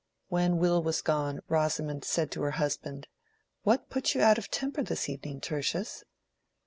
When Will was gone Rosamond said to her husband, "What put you out of temper this evening, Tertius?"